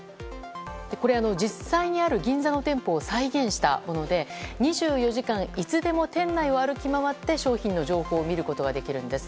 実際にある銀座の店舗を再現したもので２４時間いつでも店内を歩き回って商品の情報を見ることができるんです。